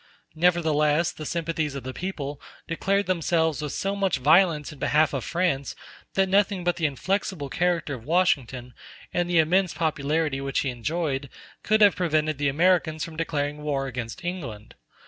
Nevertheless the sympathies of the people declared themselves with so much violence in behalf of France that nothing but the inflexible character of Washington, and the immense popularity which he enjoyed, could have prevented the Americans from declaring war against England.